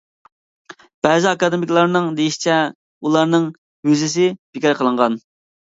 بەزى ئاكادېمىكلارنىڭ دېيىشىچە ئۇلارنىڭ ۋىزىسى بىكار قىلىنغان.